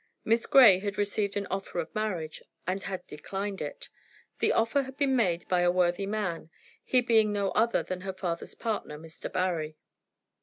Miss Grey had received an offer of marriage, and had declined it. The offer had been made by a worthy man, he being no other than her father's partner, Mr. Barry.